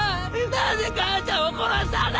何で母ちゃんを殺したんだよ！？